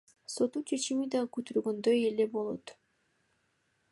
Соттун чечими дагы күтүлгөндөй эле болот.